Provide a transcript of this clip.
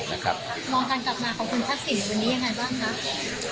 มองการกลับมาของคุณทักษิณวันนี้ยังไงบ้างคะ